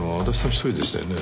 一人でしたよね。